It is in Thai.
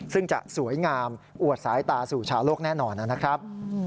ซึ่งจะสวยงามอวดสายตาสู่ชาวโลกแน่นอนนะครับ